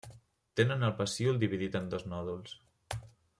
Tenen el pecíol dividit en dos nòduls.